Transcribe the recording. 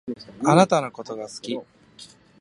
あなたのことが好き